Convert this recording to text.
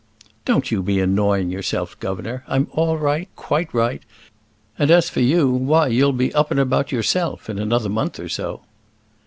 "Don't you be annoying yourself, governor; I'm all right quite right; and as for you, why, you'll be up and about yourself in another month or so."